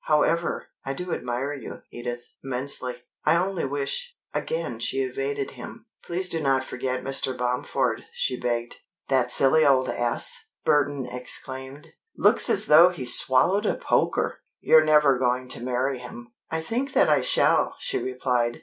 However, I do admire you, Edith, immensely. I only wish " Again she evaded him. "Please do not forget Mr. Bomford," she begged. "That silly old ass!" Burton exclaimed. "Looks as though he'd swallowed a poker! You're never going to marry him!" "I think that I shall," she replied.